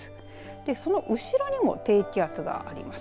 その後ろにも低気圧があります。